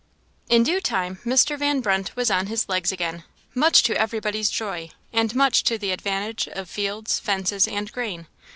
In due time, Mr. Van Brunt was on his legs again, much to everybody's joy, and much to the advantage of fields, fences, and grain.